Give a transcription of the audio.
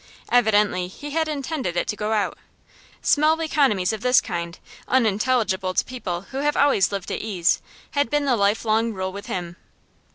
Evidently he had intended it to go out; small economies of this kind, unintelligible to people who have always lived at ease, had been the life long rule with him.